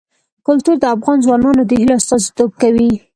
کلتور د افغان ځوانانو د هیلو استازیتوب کوي.